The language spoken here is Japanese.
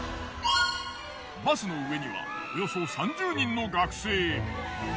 バスの上にはおよそ３０人の学生。